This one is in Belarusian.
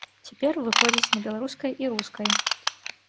Цяпер выходзіць на беларускай і рускай.